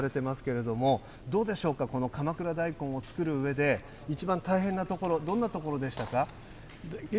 この畑も管理されてますけれども、どうでしょうか、この鎌倉大根を作るうえで、一番大変なところ、どんなところでしたか？